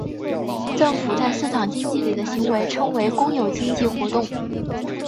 政府在市场经济里的行为称为公有经济活动。